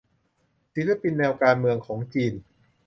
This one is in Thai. ศิลปินแนวการเมืองของจีน